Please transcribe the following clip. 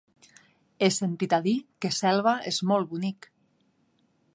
He sentit a dir que Selva és molt bonic.